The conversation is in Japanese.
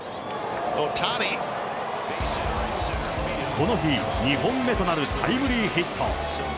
この日、２本目となるタイムリーヒット。